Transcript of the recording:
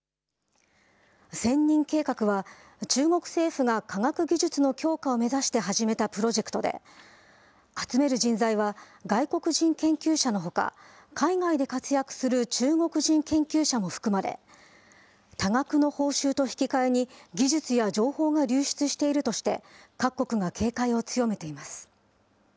千人計画は、中国政府が科学技術の強化を目指して始めたプロジェクトで、集める人材は、外国人研究者のほか、海外で活躍する中国人研究者も含まれ、多額の報酬と引き換えに、技術や情報が流出しているとして、各国が警戒を強めています。